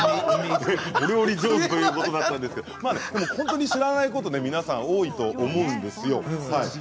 料理上手ということだったんですが本当に知らないこと皆さん多いと思うんですよ。